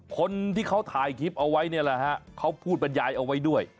คนที่เขาถ่ายคลิปเอาไว้เนี่ยแหละฮะเขาพูดบรรยายเอาไว้ด้วย